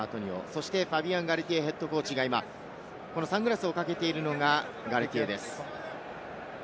そしてファビアン・ガルティエＨＣが今、サングラスをかけているのがガルティエです。